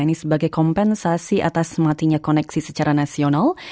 ini sebagai kompensasi atas matinya koneksi secara nasional